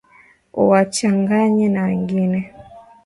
uwachanganye na wengine